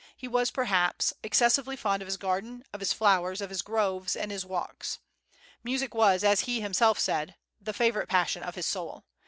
He was, perhaps, excessively fond of his garden, of his flowers, of his groves, and his walks. Music was, as he himself said, "the favorite passion of his soul."